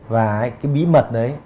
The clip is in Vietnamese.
và cái bí mật đấy